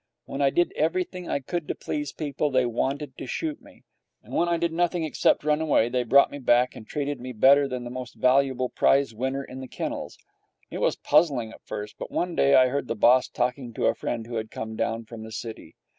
When I did everything I could to please people, they wanted to shoot me; and when I did nothing except run away, they brought me back and treated me better than the most valuable prize winner in the kennels. It was puzzling at first, but one day I heard the boss talking to a friend who had come down from the city.